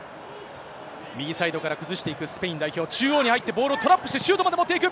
右サイドから崩していくスペイン代表、中央に入って、ボールをトラップして、シュートまで持っていく！